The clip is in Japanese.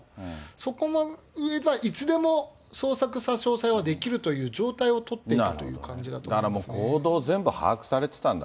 そこも、いつでも捜索、差し押さえはできるという状態をとっているという形だと思いますだからもう、行動を全部把握されてた。